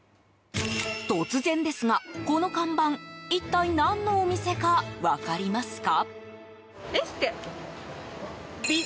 突然ですが、この看板一体何のお店か分かりますか？